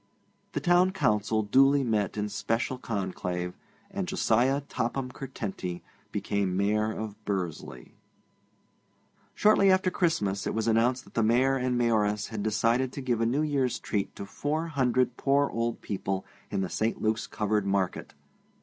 The Town Council duly met in special conclave, and Josiah Topham Curtenty became Mayor of Bursley. Shortly after Christmas it was announced that the Mayor and Mayoress had decided to give a New Year's treat to four hundred poor old people in the St. Luke's covered market.